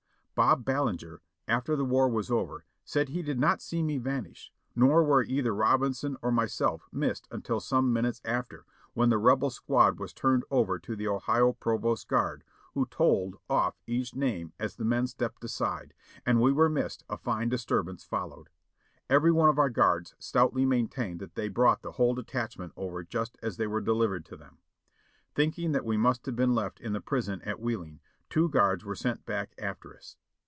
Bob Ballenger, after the war was over, said he did not see me vanish, nor were either Robinson or myself missed until some minutes after, when the Rebel squad was turned over to the Ohio provost guard, who tolled off each name as the men stepped aside, and when we were missed a fine disturbance followed. Every one of our guards stoutly maintained that they brought the whole de tachment over just as they were delivered to them. Thinking that Ave must have been left in the prison at Wheeling, two guards were sent back after us.